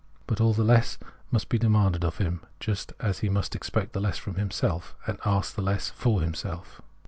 But all the less must be demanded of him, just as he must expect the less from himself, and ask the less for himself.